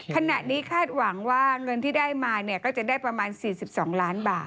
ขณะนี้คาดหวังว่าเงินที่ได้มาก็จะได้ประมาณ๔๒ล้านบาท